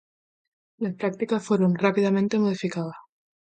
Las prácticas fueron rápidamente modificadas.